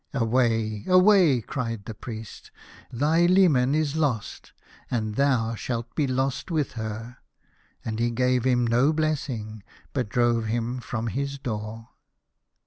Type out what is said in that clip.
" Away ! Away !" cried the Priest :" thy leman is lost, and thou shalt be lost with her." And he gave him no blessing, but drove him from his door.